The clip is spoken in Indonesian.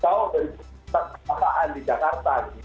atau dari tempat tempatan di jakarta